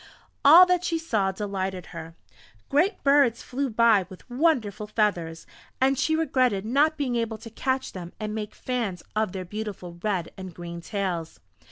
All that she saw delighted her. Great birds flew by with wonderful feathers, and she regretted not being able to catch them and make fans of their beautiful red and green tails.